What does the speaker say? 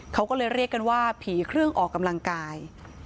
เขาก็เลยเรียกกันว่าผีเครื่องออกกำลังกาย